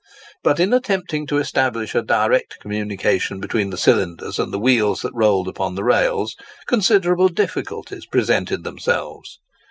But in attempting to establish a direct communication between the cylinders and the wheels that rolled upon the rails, considerable difficulties presented themselves.